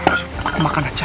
aku makan aja